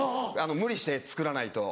無理してつくらないと。